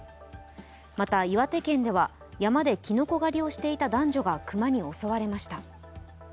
また岩手県では山できのこ狩りをしていた男女が熊に襲われました。